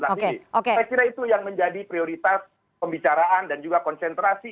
saya kira itu yang menjadi prioritas pembicaraan dan juga konsentrasi